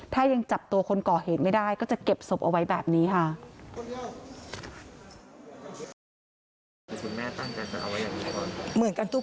ถ้ายังจับตัวคนก่อเหตุไม่ได้ก็จะเก็บศพเอาไว้แบบนี้ค่ะ